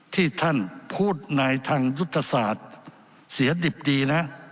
ที่ท่านพูดในทางยุทธศาสตร์เสียดิบดีนะ